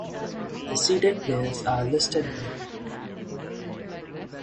The seeded players are listed below.